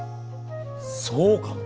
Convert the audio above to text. そうかも。